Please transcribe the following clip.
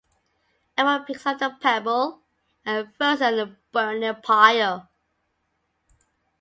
Everyone picks up a pebble and throws it on the burning pile.